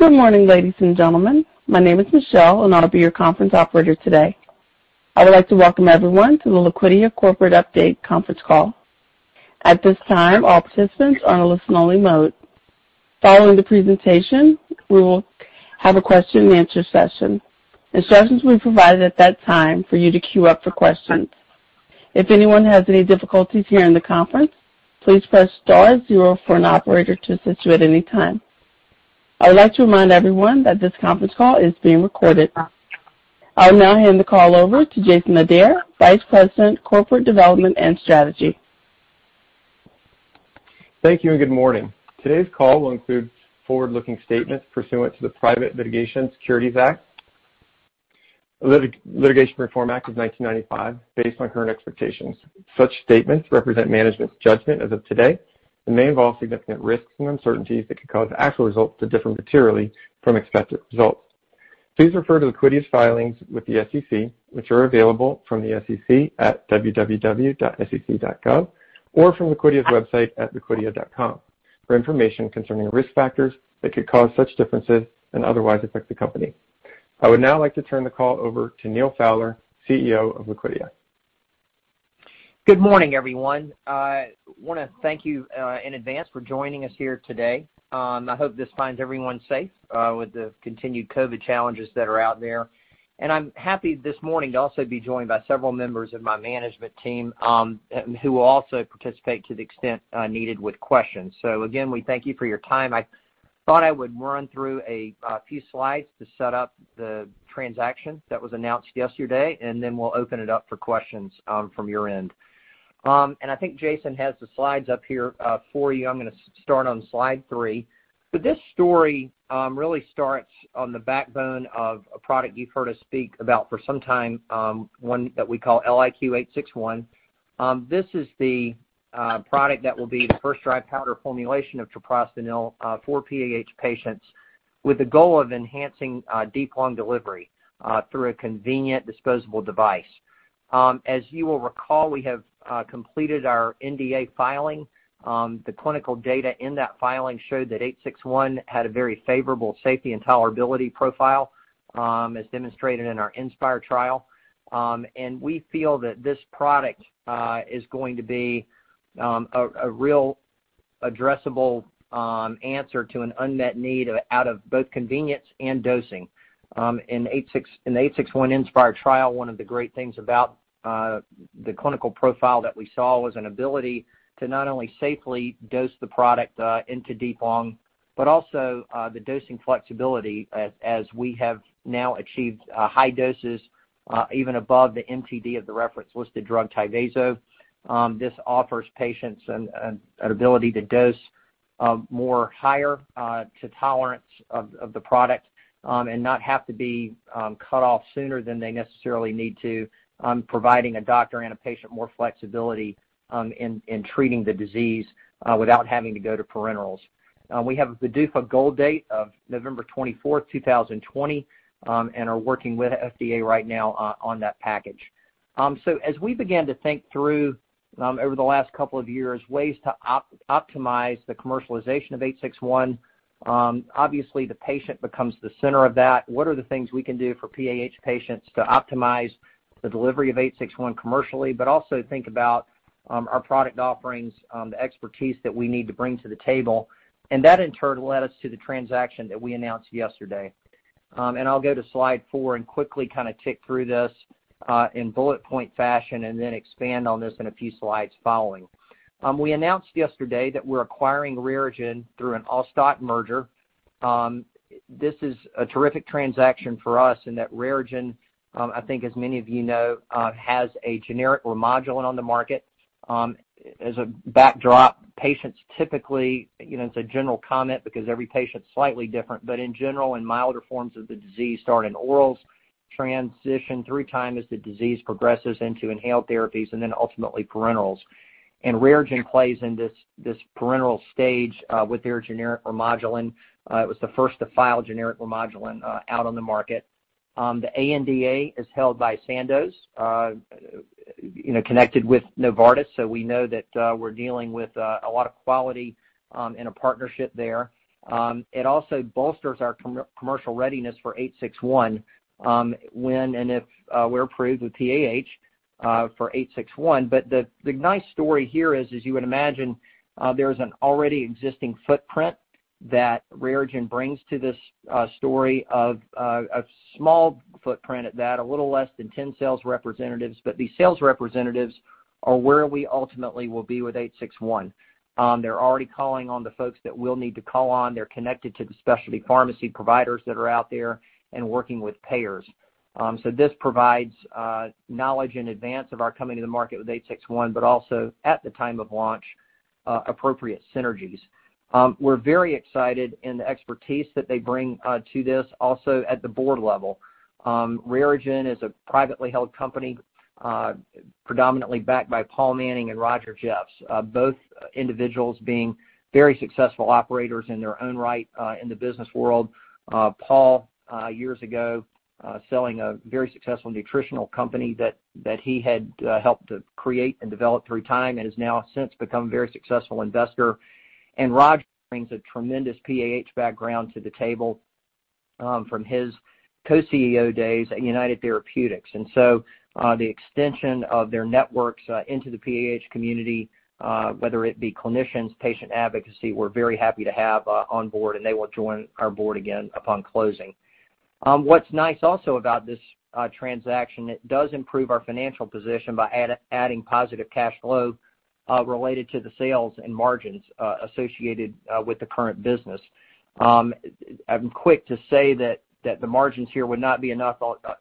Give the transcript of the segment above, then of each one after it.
Good morning, ladies and gentlemen. My name is Michelle, and I'll be your conference operator today. I would like to welcome everyone to the Liquidia Corporate Update Conference Call. At this time, all participants are in listen-only mode. Following the presentation, we will have a question and answer session. Instructions will be provided at that time for you to queue up for questions. If anyone has any difficulties during the conference, please press star zero for an operator to assist you at any time. I would like to remind everyone that this conference call is being recorded. I will now hand the call over to Jason Adair, Vice President, Corporate Development and Strategy. Thank you and good morning. Today's call will include forward-looking statements pursuant to the Private Securities Litigation Reform Act of 1995, based on current expectations. Such statements represent management's judgment as of today and may involve significant risks and uncertainties that could cause actual results to differ materially from expected results. Please refer to Liquidia's filings with the SEC, which are available from www.sec.gov or from Liquidia's website at liquidia.com for information concerning risk factors that could cause such differences and otherwise affect the company. I would now like to turn the call over to Neal Fowler, CEO of Liquidia. Good morning, everyone. I want to thank you, in advance for joining us here today. I hope this finds everyone safe, with the continued COVID challenges that are out there. I'm happy this morning to also be joined by several members of my management team, who will also participate to the extent needed with questions. Again, we thank you for your time. I thought I would run through a few slides to set up the transaction that was announced yesterday, and then we'll open it up for questions from your end. I think Jason has the slides up here for you. I'm going to start on slide three. This story really starts on the backbone of a product you've heard us speak about for some time, one that we call LIQ-861. This is the product that will be the first dry powder formulation of treprostinil for PAH patients with the goal of enhancing deep lung delivery through a convenient disposable device. As you will recall, we have completed our NDA filing. The clinical data in that filing showed that 861 had a very favorable safety and tolerability profile, as demonstrated in our INSPIRE trial. We feel that this product is going to be a real addressable answer to an unmet need out of both convenience and dosing. In 861 INSPIRE trial, one of the great things about the clinical profile that we saw was an ability to not only safely dose the product into deep lung, but also the dosing flexibility as we have now achieved high doses, even above the MTD of the reference listed drug TYVASO. This offers patients an ability to dose more higher to tolerance of the product and not have to be cut off sooner than they necessarily need to, providing a doctor and a patient more flexibility in treating the disease without having to go to parenterals. We have a PDUFA goal date of November 24th, 2020, and are working with FDA right now on that package. As we began to think through, over the last couple of years, ways to optimize the commercialization of 861, obviously the patient becomes the center of that. What are the things we can do for PAH patients to optimize the delivery of 861 commercially, but also think about our product offerings, the expertise that we need to bring to the table. That in turn led us to the transaction that we announced yesterday. I'll go to slide four and quickly kind of tick through this, in bullet point fashion and then expand on this in a few slides following. We announced yesterday that we're acquiring RareGen through an all-stock merger. This is a terrific transaction for us in that RareGen, I think as many of you know, has a generic Remodulin on the market. As a backdrop, patients typically, it's a general comment because every patient's slightly different, but in general, in milder forms of the disease, start in orals, transition through time as the disease progresses into inhaled therapies, and then ultimately parenterals. RareGen plays in this parenteral stage with their generic Remodulin. It was the first to file generic Remodulin out on the market. The ANDA is held by Sandoz, connected with Novartis, so we know that we're dealing with a lot of quality in a partnership there. It also bolsters our commercial readiness for 861, when and if we're approved with PAH for 861. The nice story here is, as you would imagine, there is an already existing footprint that RareGen brings to this story of a small footprint at that, a little less than 10 sales representatives. These sales representatives are where we ultimately will be with 861. They're already calling on the folks that we'll need to call on. They're connected to the specialty pharmacy providers that are out there and working with payers. This provides knowledge in advance of our coming to the market with 861, but also at the time of launch, appropriate synergies. We're very excited in the expertise that they bring to this also at the board level. RareGen is a privately held company, predominantly backed by Paul Manning and Roger Jeffs, both individuals being very successful operators in their own right in the business world. Paul, years ago, selling a very successful nutritional company that he had helped to create and develop through time and has now since become a very successful investor. Roger brings a tremendous PAH background to the table from his co-CEO days at United Therapeutics. The extension of their networks into the PAH community, whether it be clinicians, patient advocacy, we're very happy to have on board, and they will join our board again upon closing. What's nice also about this transaction, it does improve our financial position by adding positive cash flow related to the sales and margins associated with the current business. I'm quick to say that the margins here would not be enough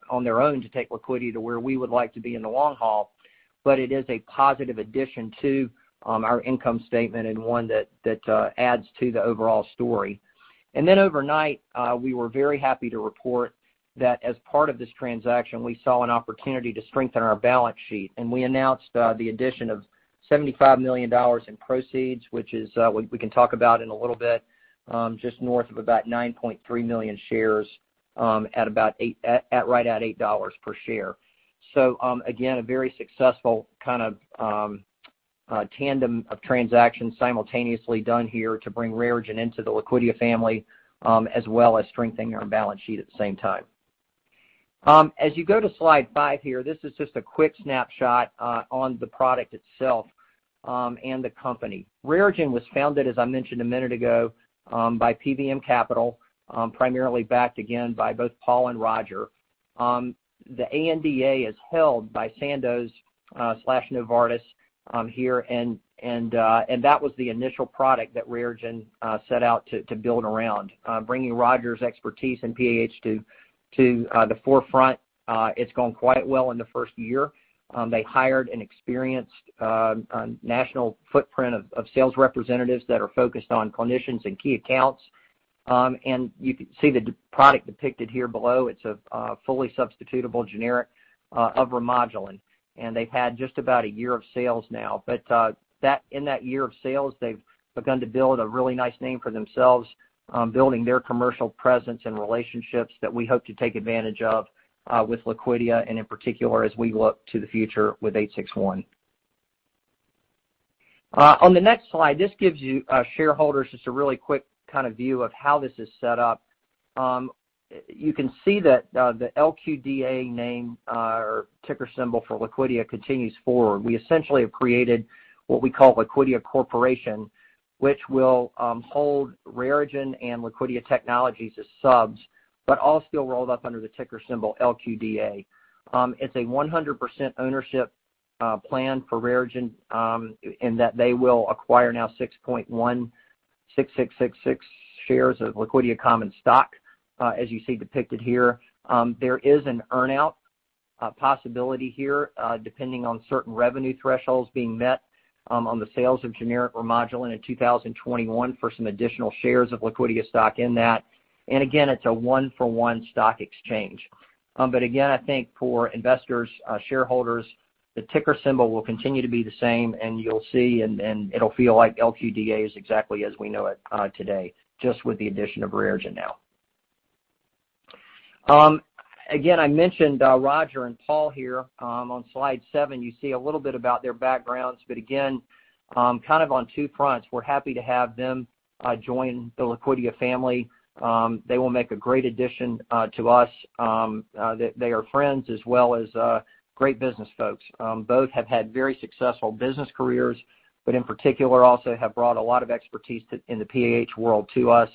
on their own to take Liquidia to where we would like to be in the long haul, but it is a positive addition to our income statement and one that adds to the overall story. Overnight, we were very happy to report that as part of this transaction, we saw an opportunity to strengthen our balance sheet, and we announced the addition of $75 million in proceeds, which is we can talk about in a little bit, just north of about 9.3 million shares at right at $8 per share. A very successful kind of tandem of transactions simultaneously done here to bring RareGen into the Liquidia family, as well as strengthening our balance sheet at the same time. As you go to slide five here, this is just a quick snapshot on the product itself and the company. RareGen was founded, as I mentioned a minute ago, by PBM Capital, primarily backed again by both Paul and Roger. The ANDA is held by Sandoz/Novartis here and that was the initial product that RareGen set out to build around. Bringing Roger's expertise in PAH to the forefront it's gone quite well in the first year. They hired an experienced national footprint of sales representatives that are focused on clinicians and key accounts. You can see the product depicted here below. It's a fully substitutable generic of Remodulin, and they've had just about a year of sales now. In that year of sales, they've begun to build a really nice name for themselves, building their commercial presence and relationships that we hope to take advantage of with Liquidia, and in particular, as we look to the future with 861. On the next slide, this gives you shareholders just a really quick kind of view of how this is set up. You can see that the LQDA name or ticker symbol for Liquidia continues forward. We essentially have created what we call Liquidia Corporation, which will hold RareGen and Liquidia Technologies as subs, but all still rolled up under the ticker symbol LQDA. It's a 100% ownership plan for RareGen in that they will acquire now 6.166666 shares of Liquidia common stock, as you see depicted here. There is an earn-out possibility here depending on certain revenue thresholds being met on the sales of generic Remodulin in 2021 for some additional shares of Liquidia stock in that. Again, it's a one for one stock exchange. Again, I think for investors, shareholders, the ticker symbol will continue to be the same, and you'll see, and it'll feel like LQDA is exactly as we know it today, just with the addition of RareGen now. I mentioned Roger and Paul here. On slide seven, you see a little bit about their backgrounds. Again, kind of on two fronts. We're happy to have them join the Liquidia family. They will make a great addition to us. They are friends as well as great business folks. Both have had very successful business careers, but in particular, also have brought a lot of expertise in the PAH world to us.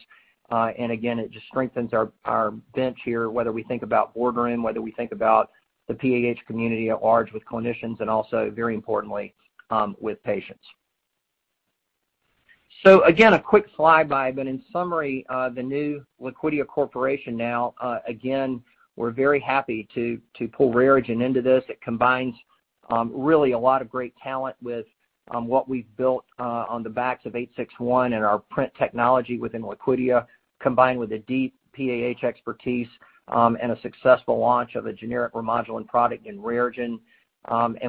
Again, it just strengthens our bench here, whether we think about boarding, whether we think about the PAH community at large with clinicians and also very importantly, with patients. Again, a quick flyby, but in summary, the new Liquidia Corporation now, again, we're very happy to pull RareGen into this. It combines really a lot of great talent with what we've built on the backs of 861 and our PRINT technology within Liquidia, combined with a deep PAH expertise and a successful launch of a generic Remodulin product in RareGen.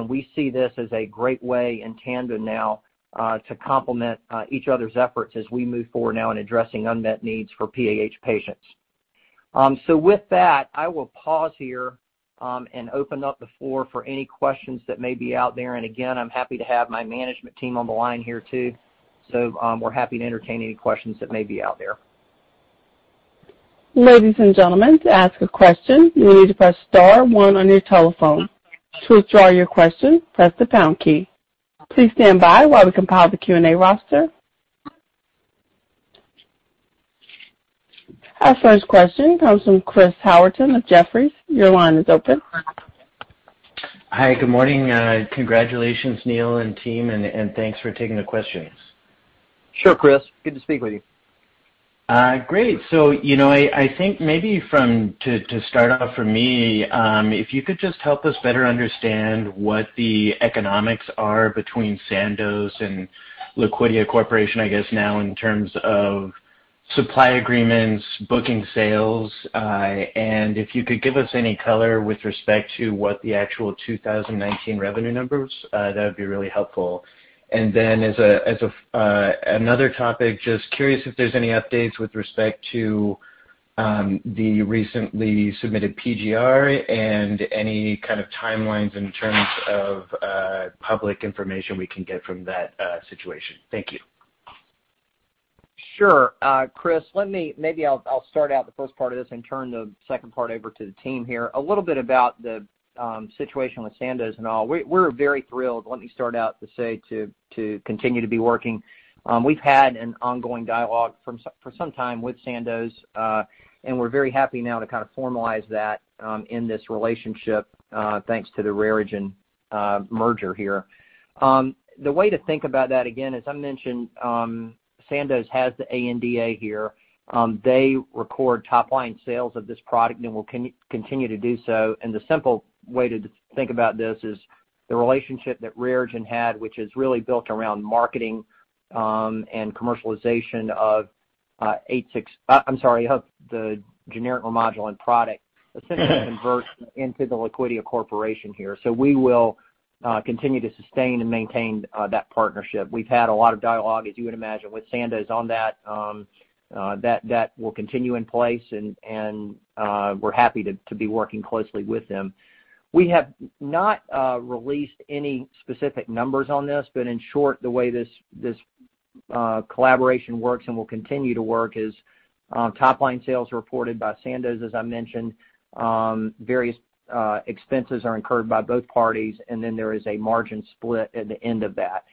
We see this as a great way in tandem now to complement each other's efforts as we move forward now in addressing unmet needs for PAH patients. With that, I will pause here and open up the floor for any questions that may be out there. Again, I'm happy to have my management team on the line here too. We're happy to entertain any questions that may be out there. Ladies and gentlemen, to ask a question, you will need to press star one on your telephone. To withdraw your question, press the pound key. Please stand by while we compile the Q&A roster. Our first question comes from Chris Howerton with Jefferies. Your line is open. Hi, good morning. Congratulations, Neal and team, and thanks for taking the questions. Sure, Chris. Good to speak with you. Great. I think maybe to start off for me, if you could just help us better understand what the economics are between Sandoz and Liquidia Corporation, I guess now in terms of supply agreements, booking sales. If you could give us any color with respect to what the actual 2019 revenue numbers, that would be really helpful. As another topic, just curious if there's any updates with respect to the recently submitted PGR and any kind of timelines in terms of public information we can get from that situation. Thank you. Sure. Chris, maybe I'll start out the first part of this and turn the second part over to the team here. A little bit about the situation with Sandoz and all, we're very thrilled, let me start out to say, to continue to be working. We've had an ongoing dialogue for some time with Sandoz, and we're very happy now to formalize that in this relationship, thanks to the RareGen merger here. The way to think about that, again, as I mentioned, Sandoz has the ANDA here. They record top line sales of this product and will continue to do so. The simple way to think about this is the relationship that RareGen had, which is really built around marketing and commercialization of the generic Remodulin product, essentially converts into the Liquidia Corporation here. We will continue to sustain and maintain that partnership. We've had a lot of dialogue, as you would imagine, with Sandoz on that. That will continue in place, and we're happy to be working closely with them. We have not released any specific numbers on this, but in short, the way this collaboration works and will continue to work is, top line sales are reported by Sandoz, as I mentioned. Various expenses are incurred by both parties, and then there is a margin split at the end of that.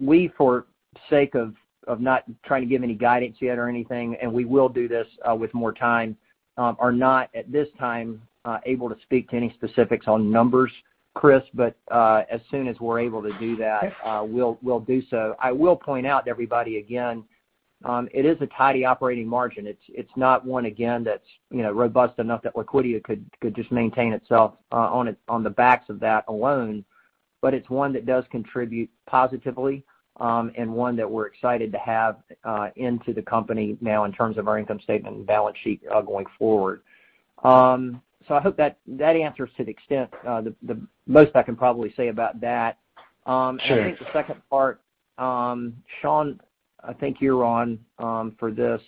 We, for sake of not trying to give any guidance yet or anything, and we will do this with more time, are not at this time able to speak to any specifics on numbers, Chris. As soon as we're able to do that, we'll do so. I will point out to everybody again, it is a tidy operating margin. It's not one, again, that's robust enough that Liquidia could just maintain itself on the backs of that alone. It's one that does contribute positively, and one that we're excited to have into the company now in terms of our income statement and balance sheet going forward. I hope that answers to the extent. The most I can probably say about that. Sure. I think the second part, Shawn, I think you're on for this,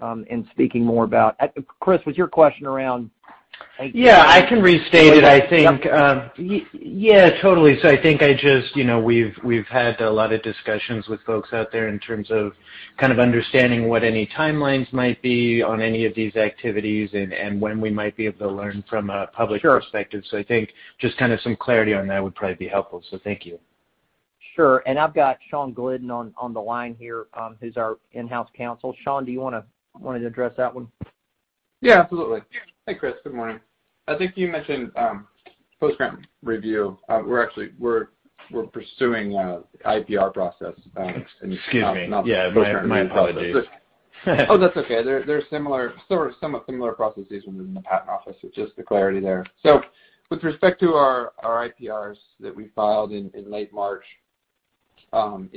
and speaking more about Chris, was your question around. Yeah, I can restate it, I think. Yeah, totally. I think we've had a lot of discussions with folks out there in terms of understanding what any timelines might be on any of these activities and when we might be able to learn from a public perspective. Sure. I think just kind of some clarity on that would probably be helpful. Thank you. Sure. I've got Shawn Glidden on the line here, who's our in-house counsel. Shawn, do you want to address that one? Yeah, absolutely. Hey, Chris, good morning. I think you mentioned post grant review. We're pursuing IPR process. Excuse me. Yeah, my apologies. Oh, that's okay. They're somewhat similar processes within the patent office. It's just the clarity there. With respect to our IPRs that we filed in late March,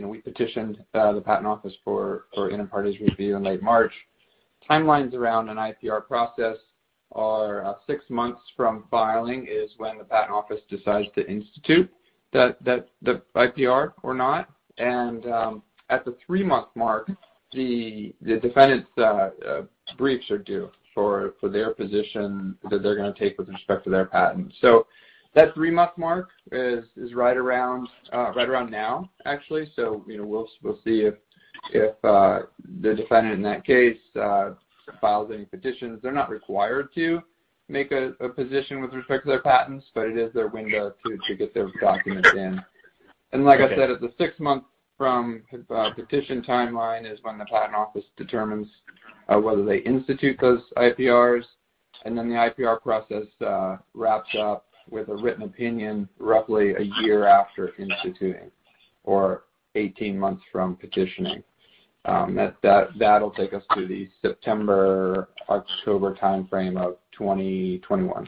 we petitioned the patent office for inter partes review in late March. Timelines around an IPR process are six months from filing is when the patent office decides to institute the IPR or not. At the three-month mark, the defendant's briefs are due for their position that they're going to take with respect to their patent. That three-month mark is right around now, actually. We'll see if the defendant in that case files any petitions. They're not required to make a position with respect to their patents, but it is their window to get those documents in. Okay. Like I said, at the six month from petition timeline is when the patent office determines whether they institute those IPRs. The IPR process wraps up with a written opinion roughly a year after instituting, or 18 months from petitioning. That'll take us to the September, October timeframe of 2021.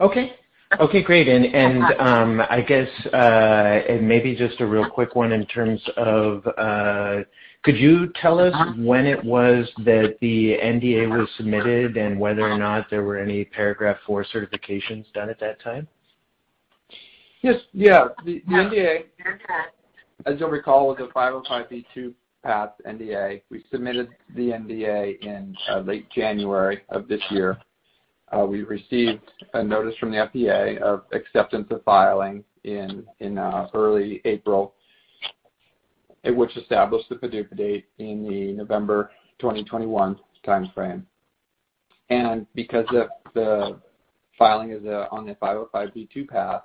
Okay. Great. I guess, maybe just a real quick one in terms of, could you tell us when it was that the NDA was submitted and whether or not there were any Paragraph IV certifications done at that time? Yes. The NDA, as you’ll recall, was a 505(b)(2) path NDA. We submitted the NDA in late January of this year. We received a notice from the FDA of acceptance of filing in early April, which established the PDUFA date in the November 2021 timeframe. Because of the filing on the 505(b)(2) path,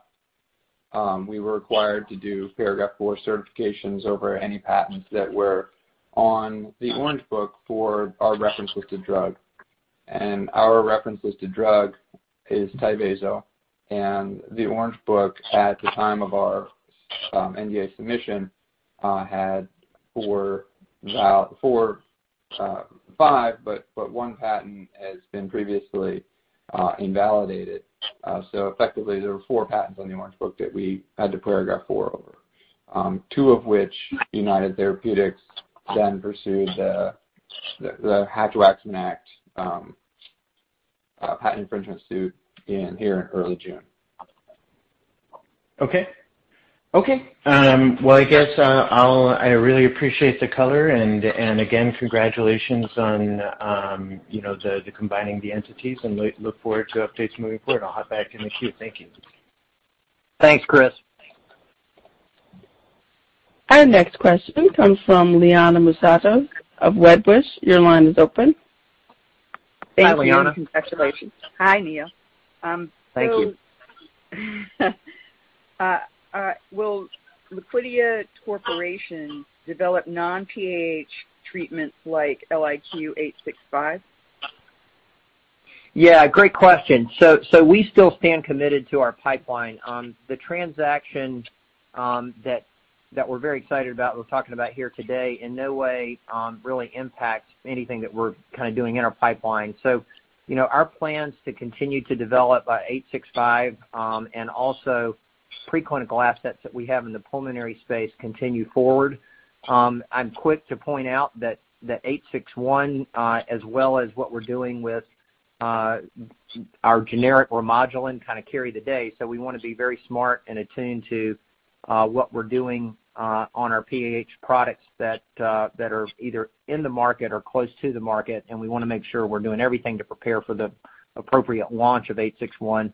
we were required to do Paragraph IV certifications over any patents that were on the Orange Book for our reference listed drug. Our reference listed drug is TYVASO, and the Orange Book at the time of our NDA submission had four, five, but one patent has been previously invalidated. Effectively, there were four patents on the Orange Book that we had to Paragraph IV over. Two of which United Therapeutics then pursued the Hatch-Waxman Act patent infringement suit in here in early June. Okay. Well, I guess I really appreciate the color, and again, congratulations on the combining the entities, and look forward to updates moving forward. I'll hop back in the queue. Thank you. Thanks, Chris. Our next question comes from Liana Moussatos of Wedbush. Your line is open. Hi, Liana. Thank you. Congratulations. Hi, Neal. Thank you. Will Liquidia Corporation develop non-PH treatments like LIQ-865? Yeah, great question. We still stand committed to our pipeline. The transaction that we're very excited about, we're talking about here today, in no way really impacts anything that we're doing in our pipeline. Our plans to continue to develop 865, and also preclinical assets that we have in the pulmonary space continue forward. I'm quick to point out that 861, as well as what we're doing with our generic Remodulin carry the day. We want to be very smart and attuned to what we're doing on our PH products that are either in the market or close to the market, and we want to make sure we're doing everything to prepare for the appropriate launch of 861.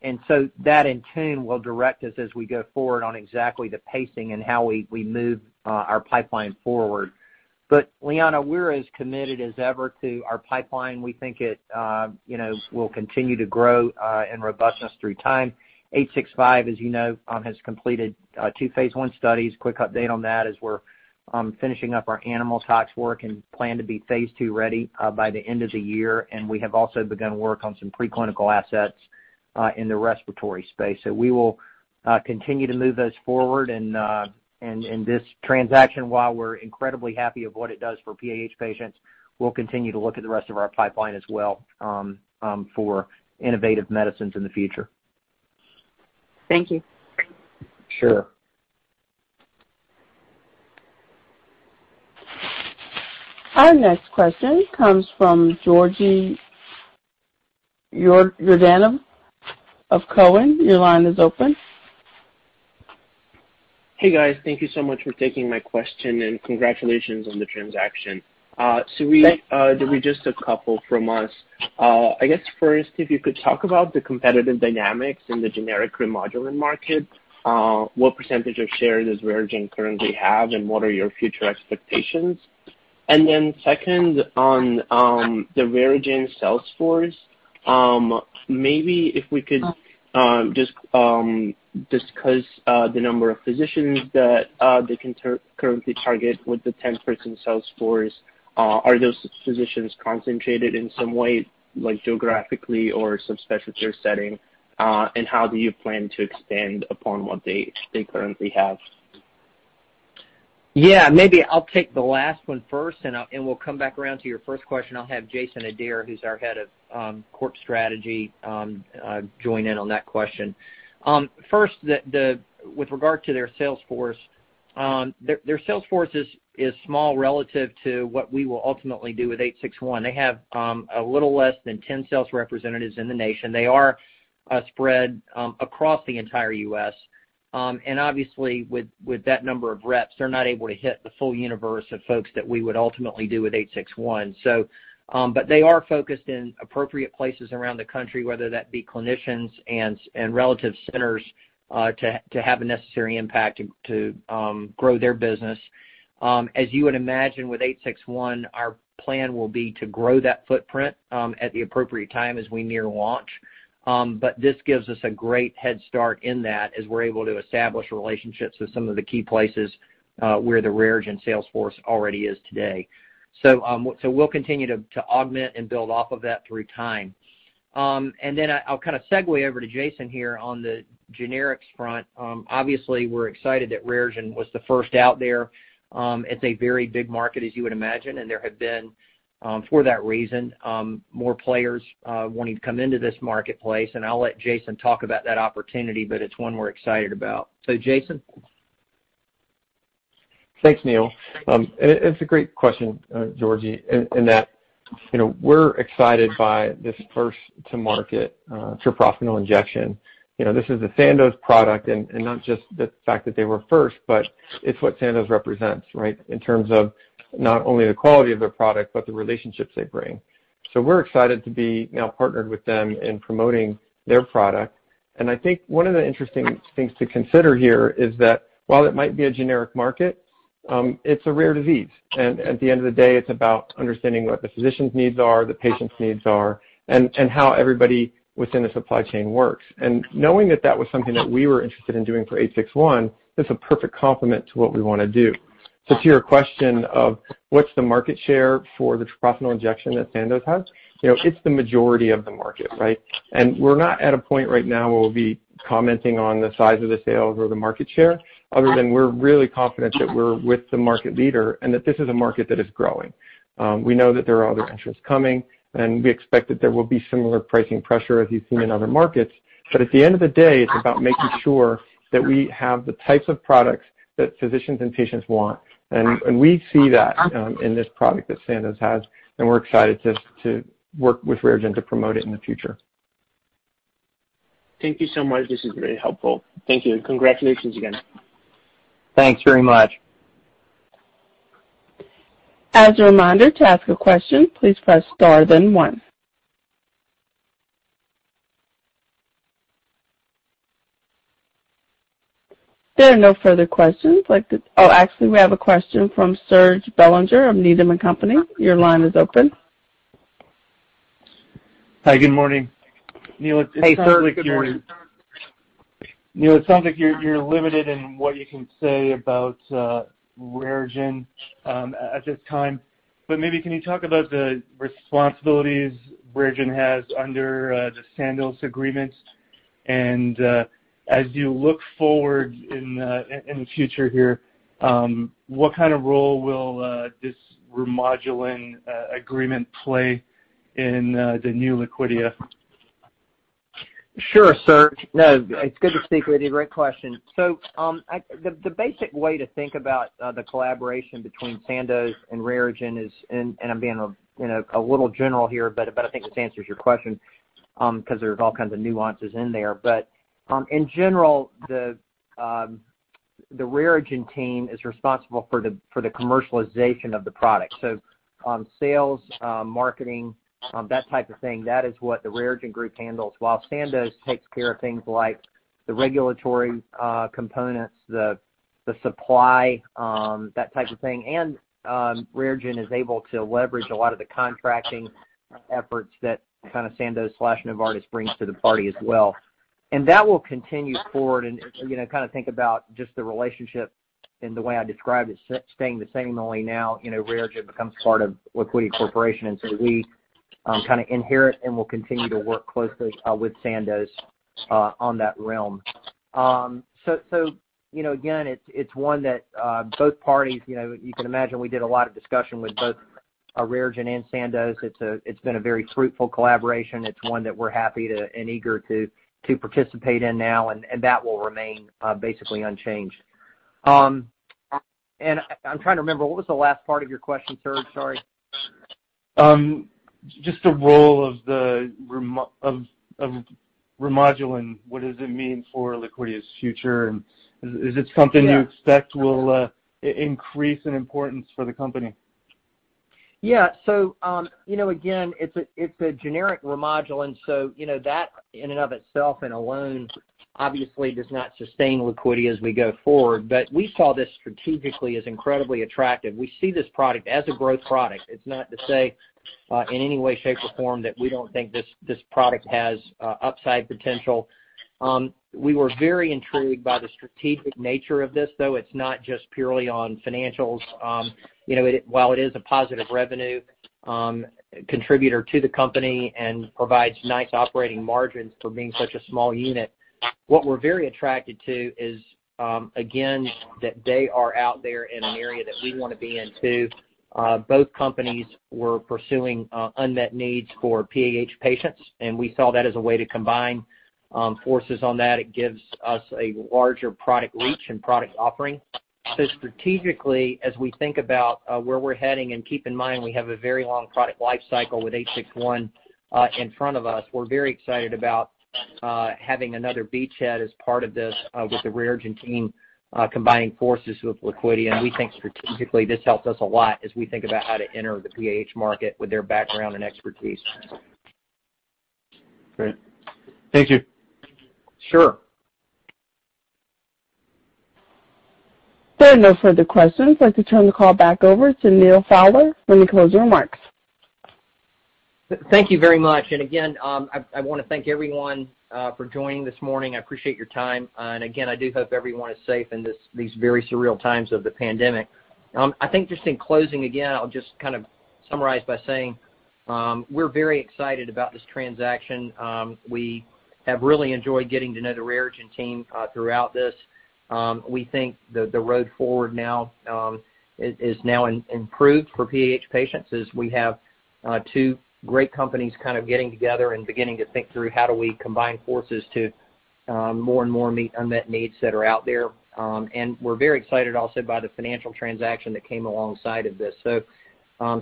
That, in turn, will direct us as we go forward on exactly the pacing and how we move our pipeline forward. Liana, we're as committed as ever to our pipeline. We think it will continue to grow in robustness through time. 865, as you know, has completed two phase I studies. Quick update on that, is we're finishing up our animal tox work and plan to be phase II ready by the end of the year. We have also begun work on some preclinical assets in the respiratory space. We will continue to move those forward and this transaction, while we're incredibly happy of what it does for PAH patients, we'll continue to look at the rest of our pipeline as well for innovative medicines in the future. Thank you. Sure. Our next question comes from Georgi Yordanov of Cowen. Your line is open. Hey, guys. Thank you so much for taking my question. Congratulations on the transaction. Thanks. We do have just a couple from us. I guess first, if you could talk about the competitive dynamics in the generic Remodulin market, what percentage of shares does RareGen currently have, and what are your future expectations? Second, on the RareGen sales force, maybe if we could just discuss the number of physicians that they can currently target with the 10-person sales force. Are those physicians concentrated in some way, like geographically or subspecialty setting? How do you plan to expand upon what they currently have? Yeah, maybe I'll take the last one first, and we'll come back around to your first question. I'll have Jason Adair, who's our head of corp strategy, join in on that question. First, with regard to their sales force, their sales force is small relative to what we will ultimately do with 861. They have a little less than 10 sales representatives in the nation. They are spread across the entire U.S., and obviously with that number of reps, they're not able to hit the full universe of folks that we would ultimately do with 861. They are focused in appropriate places around the country, whether that be clinicians and relative centers, to have a necessary impact to grow their business. As you would imagine with 861, our plan will be to grow that footprint at the appropriate time as we near launch. This gives us a great head start in that, as we're able to establish relationships with some of the key places where the RareGen sales force already is today. We'll continue to augment and build off of that through time. I'll kind of segue over to Jason here on the generics front. Obviously, we're excited that RareGen was the first out there. It's a very big market, as you would imagine, and there have been, for that reason, more players wanting to come into this marketplace. I'll let Jason talk about that opportunity, but it's one we're excited about. Jason. Thanks, Neal. It's a great question, Georgi, in that we're excited by this first to market treprostinil injection. This is a Sandoz product, not just the fact that they were first, but it's what Sandoz represents, right? In terms of not only the quality of their product, but the relationships they bring. We're excited to be now partnered with them in promoting their product. I think one of the interesting things to consider here is that while it might be a generic market, it's a rare disease. At the end of the day, it's about understanding what the physician's needs are, the patient's needs are, and how everybody within the supply chain works. Knowing that that was something that we were interested in doing for 861, it's a perfect complement to what we want to do. To your question of what's the market share for the treprostinil injection that Sandoz has, it's the majority of the market, right? We're not at a point right now where we'll be commenting on the size of the sales or the market share, other than we're really confident that we're with the market leader and that this is a market that is growing. We know that there are other entrants coming, and we expect that there will be similar pricing pressure as you've seen in other markets. At the end of the day, it's about making sure that we have the types of products that physicians and patients want, and we see that in this product that Sandoz has, and we're excited to work with RareGen to promote it in the future. Thank you so much. This is very helpful. Thank you, and congratulations again. Thanks very much. As a reminder, to ask a question, please press star then one. There are no further questions. Actually, we have a question from Serge Belanger of Needham & Company. Your line is open. Hi, good morning. Hey, Serge. Good morning. It sounds like you're limited in what you can say about RareGen at this time. Maybe can you talk about the responsibilities RareGen has under the Sandoz agreements? As you look forward in the future here, what kind of role will this Remodulin agreement play in the new Liquidia? Sure, Serge. No, it's good to speak with you. Great question. The basic way to think about the collaboration between Sandoz and RareGen is, and I'm being a little general here, but I think this answers your question, because there's all kinds of nuances in there. In general, the RareGen team is responsible for the commercialization of the product. Sales, marketing, that type of thing, that is what the RareGen group handles, while Sandoz takes care of things like the regulatory components, the supply, that type of thing. RareGen is able to leverage a lot of the contracting efforts that Sandoz/Novartis brings to the party as well. That will continue forward and think about just the relationship and the way I described it staying the same, only now RareGen becomes part of Liquidia Corporation. We inherit and will continue to work closely with Sandoz on that realm. Again, it's one that both parties, you can imagine we did a lot of discussion with both RareGen and Sandoz. It's been a very fruitful collaboration. It's one that we're happy to and eager to participate in now, and that will remain basically unchanged. I'm trying to remember, what was the last part of your question, Serge? Sorry. Just the role of Remodulin. What does it mean for Liquidia's future? Is it something you expect will increase in importance for the company? Yeah. Again, it's a generic Remodulin, so that in and of itself and alone obviously does not sustain Liquidia as we go forward. We saw this strategically as incredibly attractive. We see this product as a growth product. It's not to say in any way, shape, or form that we don't think this product has upside potential. We were very intrigued by the strategic nature of this, though it's not just purely on financials. While it is a positive revenue contributor to the company and provides nice operating margins for being such a small unit, what we're very attracted to is, again, that they are out there in an area that we want to be in, too. Both companies were pursuing unmet needs for PAH patients, and we saw that as a way to combine forces on that. It gives us a larger product reach and product offering. Strategically, as we think about where we're heading, and keep in mind, we have a very long product life cycle with 861 in front of us, we're very excited about having another beachhead as part of this with the RareGen team combining forces with Liquidia. We think strategically this helps us a lot as we think about how to enter the PAH market with their background and expertise. Great. Thank you. Sure. There are no further questions. I'd like to turn the call back over to Neal Fowler for any closing remarks. Thank you very much. Again, I want to thank everyone for joining this morning. I appreciate your time. Again, I do hope everyone is safe in these very surreal times of the pandemic. I think just in closing, again, I'll just summarize by saying we're very excited about this transaction. We have really enjoyed getting to know the RareGen team throughout this. We think the road forward now is now improved for PAH patients as we have two great companies getting together and beginning to think through how do we combine forces to more and more meet unmet needs that are out there. We're very excited also by the financial transaction that came alongside of this.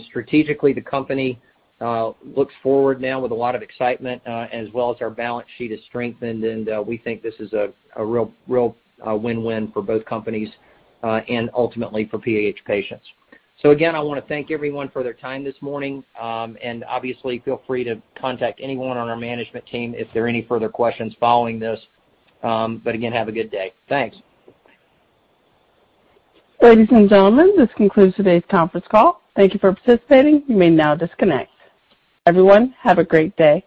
Strategically, the company looks forward now with a lot of excitement, as well as our balance sheet is strengthened, and we think this is a real win-win for both companies and ultimately for PAH patients. Again, I want to thank everyone for their time this morning. Obviously feel free to contact anyone on our management team if there are any further questions following this. Again, have a good day. Thanks. Ladies and gentlemen, this concludes today's conference call. Thank you for participating. You may now disconnect. Everyone, have a great day.